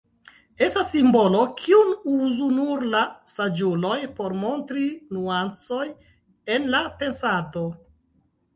Estas simbolo, kiun uzu nur la saĝuloj por montri nuancoj en la pensado.